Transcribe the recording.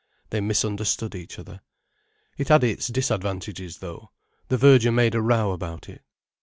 They misunderstood each other. "It had its disadvantages though. The verger made a row about it."